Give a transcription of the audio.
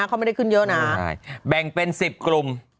เขาไม่ได้ขึ้นเยอะนะแบ่งเป็น๑๐กลุ่ม